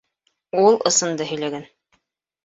— Ул ысынды һөйләгән.